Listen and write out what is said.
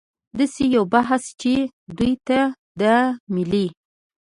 داسې یو بحث چې دوی ته د ملي